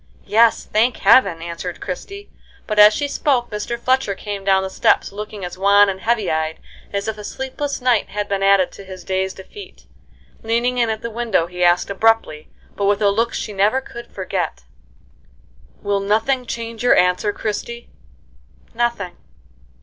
"Yes, thank Heaven!" answered Christie; but as she spoke Mr. Fletcher came down the steps looking as wan and heavy eyed as if a sleepless night had been added to his day's defeat. Leaning in at the window, he asked abruptly, but with a look she never could forget: "Will nothing change your answer, Christie?" "Nothing."